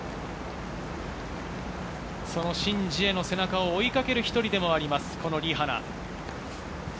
そのシン・ジエの背中を追いかける一人でもあります、リ・ハナ。